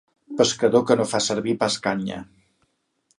Pescador que no fa servir pas canya.